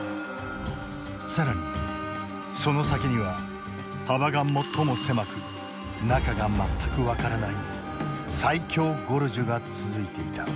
更にその先には幅が最も狭く中が全く分からない最狭ゴルジュが続いていた。